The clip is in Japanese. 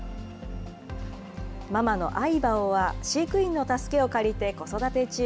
ママのアイバオは飼育員の助けを借りて子育て中。